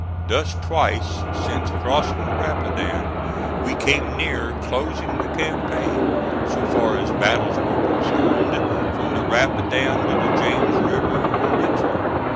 Thus, twice since crossing the Rapidan we came near closing the campaign, so far as battles were concerned, from the Rapidan to the James River or Richmond.